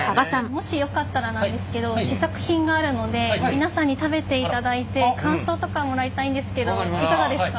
もしよかったらなんですけど試作品があるので皆さんに食べていただいて感想とかもらいたいんですけどいかがですか？